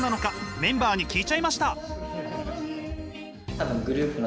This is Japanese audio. メンバーに聞いちゃいました。